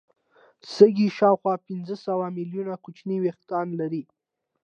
سږي شاوخوا پنځه سوه ملیونه کوچني وېښتان لري.